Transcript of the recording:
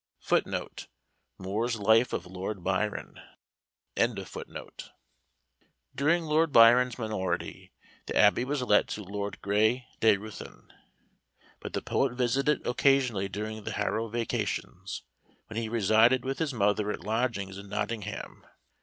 [Footnote: Moore's Life of Lord Byron.] During Lord Byron's minority, the Abbey was let to Lord Grey de Ruthen, but the poet visited it occasionally during the Harrow vacations, when he resided with his mother at lodgings in Nottingham.